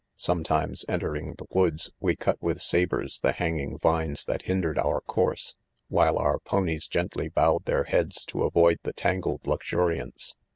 Sometimes, enter ing the woods, we cut with sabres the hang ing vines that hindered our course ; while our ponies gently bowed their heads to avoid the tangled luxuriance.